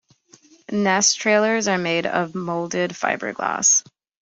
Nest trailers are made of molded fiberglass.